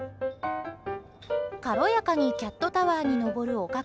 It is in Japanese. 軽やかにキャットタワーに上るおかか